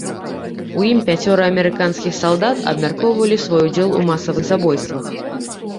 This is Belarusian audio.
У ім пяцёра амерыканскіх салдат абмяркоўвалі свой удзел у масавых забойствах.